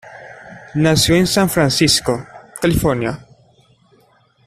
Nació en San Francisco, California.